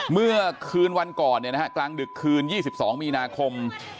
เมื่อคืนวันก่อนกลางดึกคืน๒๒มีนาคม